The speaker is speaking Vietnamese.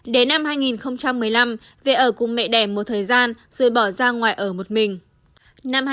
đến năm hai nghìn một mươi năm về ở cùng mẹ đẻm một thời gian rồi bỏ ra ngoài ở một mình